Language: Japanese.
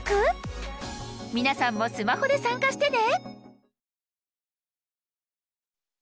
皆さんもスマホで参加してね！